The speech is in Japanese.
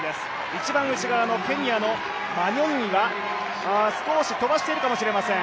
一番内側のケニアのワニョンイは少し飛ばしているかもしれません。